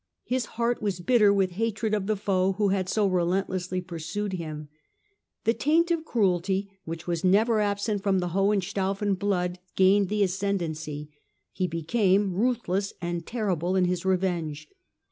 His heart was bitter with hatred of the foe who had so relentlessly pursued him. The taint of cruelty which was never absent from the Hohenstaufen blood gained the ascend ancy ; he became ruthless and terrible in his revenge.